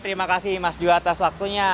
terima kasih mas duo atas waktunya